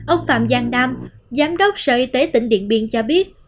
ông phạm giang nam giám đốc sở y tế tỉnh điện biên cho biết